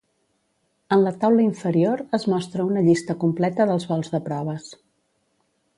En la taula inferior es mostra una llista completa dels vols de proves.